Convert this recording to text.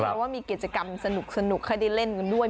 เพราะว่ามีกิจกรรมสนุกให้ได้เล่นกันด้วย